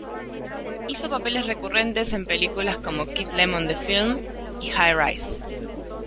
Hizo papeles recurrentes en películas como "Keith Lemon: The Film" y "High-Rise".